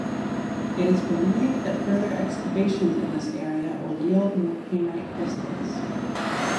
It is believed that further excavations in this area will yield more painite crystals.